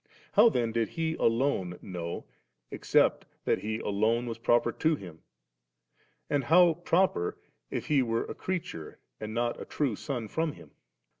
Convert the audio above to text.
How then did He alone know, except that He alone was proper to Him ? and how proper, if He were a creature, and not a true Son from Him